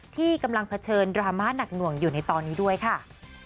ที่กำลังเผชิญดราม่าหนักหน่วงอยู่ในตอนนี้ด้วยค่ะ